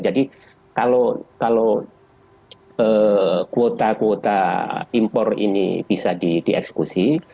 kalau kuota kuota impor ini bisa dieksekusi